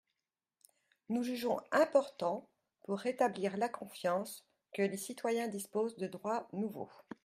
Nous jugeons important, pour rétablir la confiance, que les citoyens disposent de droits nouveaux.